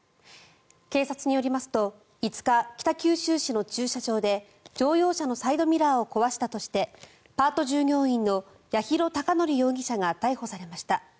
警察によりますと５日、北九州市の駐車場で乗用車のサイドミラーを壊したとしてパート従業員の八尋孝則容疑者が逮捕されました。